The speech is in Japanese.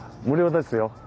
無料ですよ。